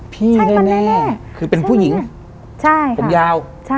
พี่แน่คือเป็นผู้หญิงผมยาว